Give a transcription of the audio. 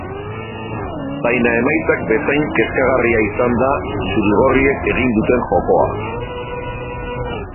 Baina emaitzak bezain kezkagarria izan da zuri-gorriek egin duten jokoa.